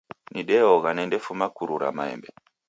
Nideogha nendafuma kurura maembe.